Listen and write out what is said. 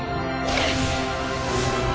うっ。